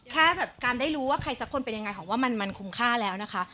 แค่แบบการได้รู้ว่าใครสักคนเป็นยังไงของว่ามันคุ้มค่าแล้วนะคะ